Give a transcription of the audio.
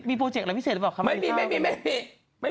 มีโปรเจกต์อะไรกันหรือเปล่าคะ